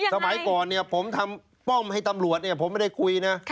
สมัยก่อนเนี่ยผมทำป้อมให้ตำรวจผมไม่ได้คุยนะ